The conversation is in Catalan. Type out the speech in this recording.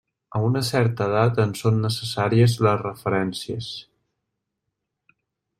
A una certa edat ens són necessàries les referències.